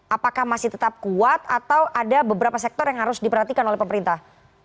apakah masih tetap kuat atau ada beberapa sektor yang harus diperhatikan oleh pemerintah